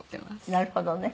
なるほどね。